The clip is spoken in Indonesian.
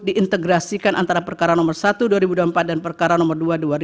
diintegrasikan antara perkara nomor satu dua ribu dua puluh empat dan perkara nomor dua dua ribu dua